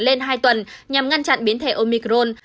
lên hai tuần nhằm ngăn chặn biến thể omicron